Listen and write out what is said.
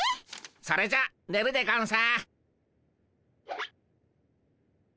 それじゃねるでゴンス。